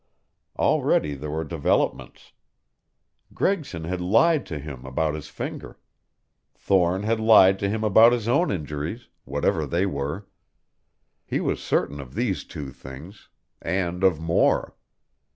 Already there were developments. Gregson had lied to him about his finger. Thorne had lied to him about his own injuries, whatever they were. He was certain of these two things and of more.